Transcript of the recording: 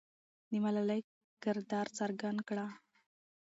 د ملالۍ کردار څرګند کړه.